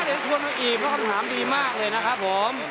เดี๋ยวฉันช่วยให้ก็คำถามดีมากเลยนะครับ